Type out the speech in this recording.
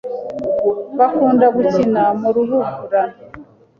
Bakunda gukina mu rubura.